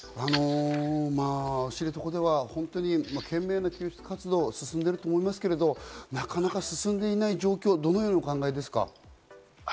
知床では本当に懸命な救出活動が進んでいると思いますけど、なかなか進んでいない状況をどのようにお考えですか？